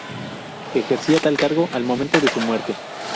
Ejercía tal cargo al momento de su muerte.